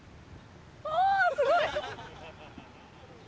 おすごい。